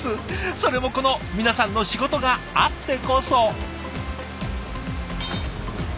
それもこの皆さんの仕事があってこそ。